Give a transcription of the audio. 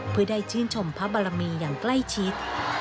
เพื่อได้ชื่นชมพระบารมีอย่างใกล้ชิด